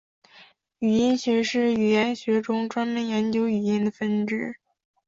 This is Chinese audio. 语音学是语言学中专门研究语音的分支。